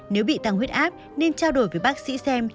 nếu bị tăng huyết áp nên trao đổi với bác sĩ xem